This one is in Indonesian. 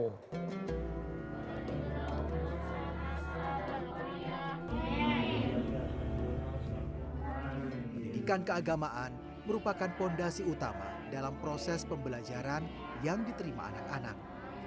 pendidikan keagamaan merupakan fondasi utama dalam proses pembelajaran yang diterima anak anak